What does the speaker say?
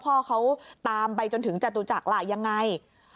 พ่อเขาตามไปจนถึงจตุจักรล่ะยังไง